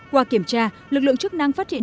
qua kiểm tra lực lượng chức năng phát triển